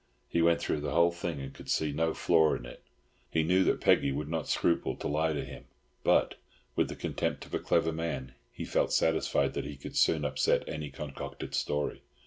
He went through the whole thing, and could see no flaw in it. He knew that Peggy would not scruple to lie to him; but, with the contempt of a clever man, he felt satisfied that he could soon upset any concocted story.